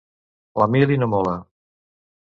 La mili no mola.